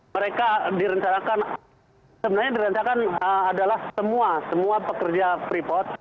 mereka direncanakan sebenarnya direncanakan adalah semua semua pekerja freeport